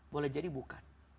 boleh jadi bukan